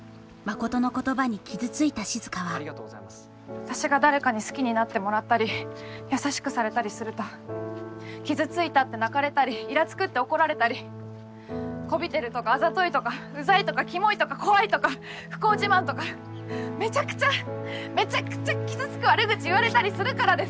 私が誰かに好きになってもらったり優しくされたりすると傷ついたって泣かれたりイラつくって怒られたりこびてるとかあざといとかうざいとかキモいとか怖いとか不幸自慢とかめちゃくちゃめちゃくちゃ傷つく悪口言われたりするからです！